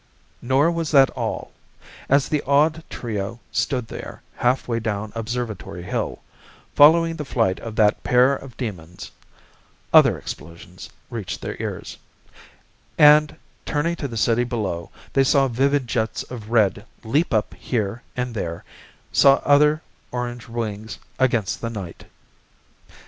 Nor was that all. As the awed trio stood there halfway down Observatory Hill, following the flight of that pair of demons, other explosions reached their ears, and, turning to the city below, they saw vivid jets of red leap up here and there, saw other orange wings against the night.